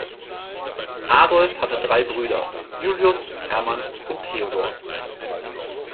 Adolf hatte drei Brüder: Julius, Hermann und Theodor.